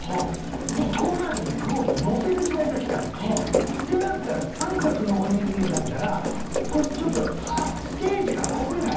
もうご飯に具をのせる時代が来たってなったら三角のおにぎりだったらこうちょっとステージからこぼれない？